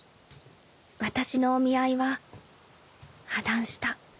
私のお見合いは破談した］